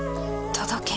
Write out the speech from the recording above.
届け。